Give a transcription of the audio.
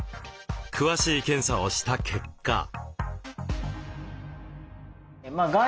詳しい検査をした結果。